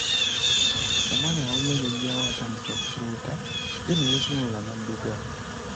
Omwana yawulira jajjaawe atandise okufuluuta ye ne yeesumulula n'adduka.